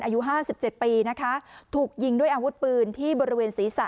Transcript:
อายุห้าสิบเจ็ดปีนะคะถูกยิงด้วยอาวุธปืนที่บริเวณศีรษะ